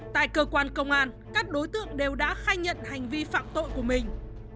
tại cơ quan công an các đối tượng đều đã khai nhận hành vi phạm tội của mình